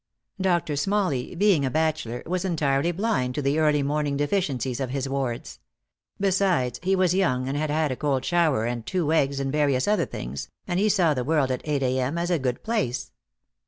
Doctor Smalley, being a bachelor, was entirely blind to the early morning deficiencies of his wards. Besides, he was young and had had a cold shower and two eggs and various other things, and he saw the world at eight A.M. as a good place.